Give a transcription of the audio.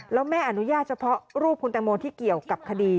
แล้วแม่อนุญาตเฉพาะรูปคุณแตงโมที่เกี่ยวกับคดี